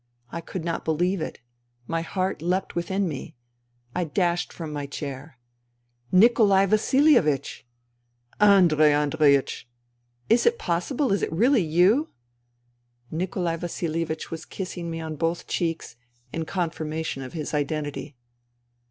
I could not believe it. My heart leapt within me. I dashed from my chair. " Nikolai Vasilievich I "" Andrei Andreiech !" "Is it possible ? Is it really you ?" Nikolai Vasihevich was kissing me on both cheeks, in confirmation of his identity.